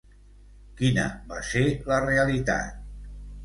Quina va ser la realitat?